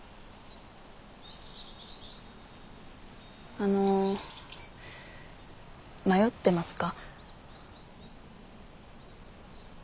あの迷ってますか？